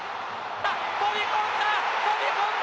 飛び込んだ！